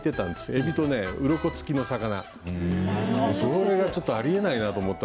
えびとうろこ付きの魚でありえないなと思って